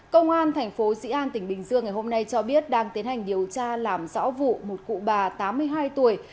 công an tp dian tỉnh bình dương ngày hôm nay cho biết đang tiến hành điều tra làm rõ vụ một cụ bà tám mươi hai tuổi